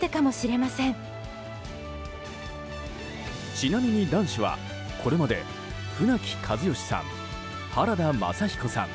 ちなみに男子はこれまで船木和喜さん、原田雅彦さん